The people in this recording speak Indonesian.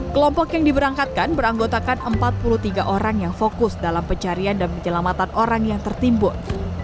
kelompok yang diberangkatkan beranggotakan empat puluh tiga orang yang fokus dalam pencarian dan penyelamatan orang yang tertimbun